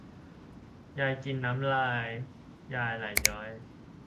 ยายกินลำไยน้ำลายยายไหลย้อย